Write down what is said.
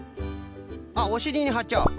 あっおしりにはっちゃう。